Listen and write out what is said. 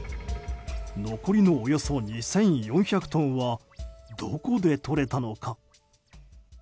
残りのおよそ２４００トンはどこでとれたのか？